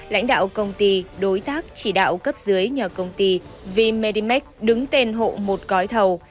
lãnh đạo công ty đối tác chỉ đạo cấp dưới nhờ công ty v medimax đứng tên hộ một gói thầu